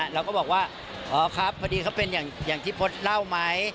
เราก็บอกว่าอ๋อครับพอดีเขาเป็นอย่างที่พจน์เล่าไหม